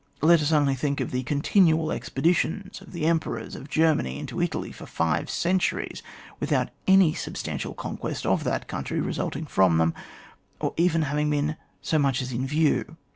Let us only think of the continual expeditions of the Emperors of Germany into Italy for five centuries, without any substantial conquest of that country resulting from them, or even having been so much as in view.